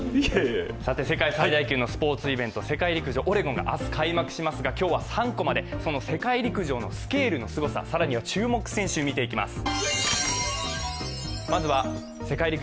さて世界最大級のスポーツイベント、世界陸上オレゴンが明日開幕されますが、今日は３コマでその世界陸上のスケールのすごさ更には注目選手、見ていきます。